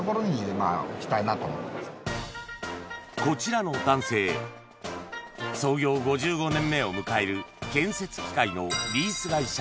こちらの男性創業５５年目を迎える